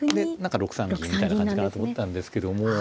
６三銀みたいな感じかなと思ったんですけども。